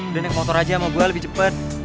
udah naik motor aja sama gue lebih cepat